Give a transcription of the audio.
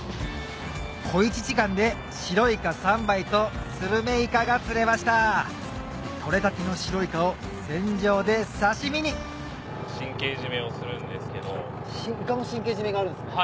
小１時間で白イカ３杯とスルメイカが釣れました取れたての白イカを船上で刺身にイカも神経締めがあるんですね？